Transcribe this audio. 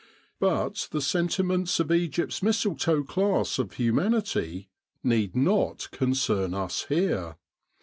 But the sentiments of Egypt's mistle toe class of humanity need not concern us here.